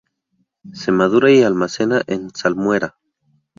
Se madura y almacena en salmuera.